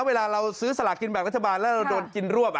เวลาเราซื้อสลากินแบบรัฐบาลแล้วเราโดนกินรวบ